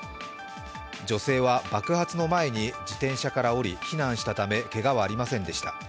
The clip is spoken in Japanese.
女性は爆発の前に自転車から降り、避難したためけがはありませんでした。